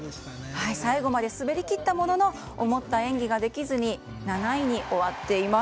最後まで滑りきったものの思った演技ができずに７位に終わっています。